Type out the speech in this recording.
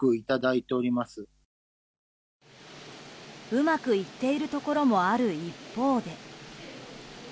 うまくいっているところもある一方で。